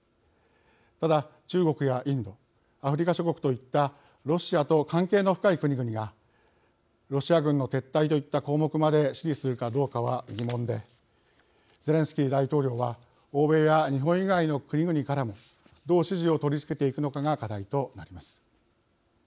ただ中国やインドアフリカ諸国といったロシアと関係の深い国々がロシア軍の撤退といった項目まで支持するかどうかは疑問でゼレンスキー大統領は欧米や日本以外の国々からもどう支持を取り付けていくのかが課題となります。